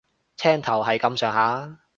青頭係咁上下